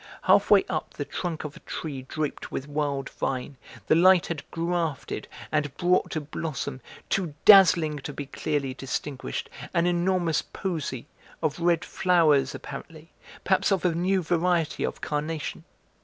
Half way up the trunk of a tree draped with wild vine, the light had grafted and brought to blossom, too dazzling to be clearly distinguished, an enormous posy, of red flowers apparently, perhaps of a new variety of carnation.